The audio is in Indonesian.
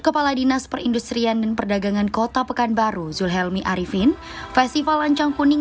kepala dinas perindustrian dan perdagangan kota pekanbaru zulhelmi arifin festival lancang kuning